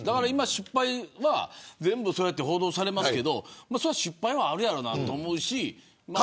失敗は今、報道されますけど失敗はあるだろうなと思うし。